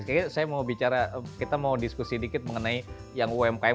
kayaknya saya mau bicara kita mau diskusi dikit mengenai yang umkm